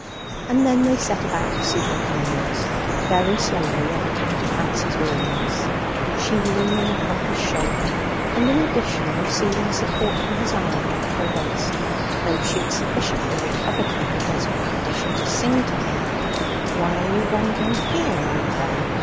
And then they set about proceeding homewards, very slowly on account of Fancy's weariness, she leaning upon his shoulder, and in addition receiving support from his arm round her waist; though she had sufficiently recovered from her desperate condition to sing to him, 'Why are you wandering here, I pray?'